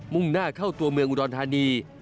่งหน้าเข้าตัวเมืองอุดรธานี